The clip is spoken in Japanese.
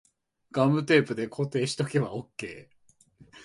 ガムテープで固定しとけばオッケー